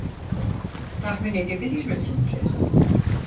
Tahmin edebilir misin ki.